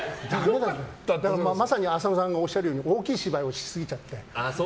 まさに浅野さんがおっしゃるように大きい芝居をしすぎちゃって。